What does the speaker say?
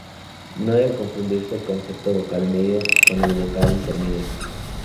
No debe confundirse el concepto de vocal media con el de vocal intermedia.